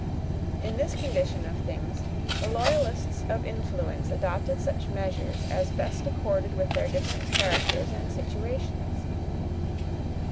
In this condition of things, the loyalists of influence adopted such measures as best accorded with their different characters and situations.